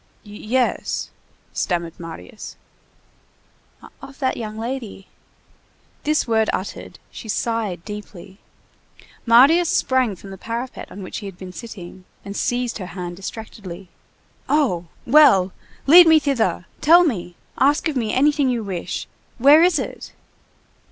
"Yes!" stammered Marius. "Of that young lady." This word uttered, she sighed deeply. Marius sprang from the parapet on which he had been sitting and seized her hand distractedly. "Oh! Well! lead me thither! Tell me! Ask of me anything you wish! Where is it?"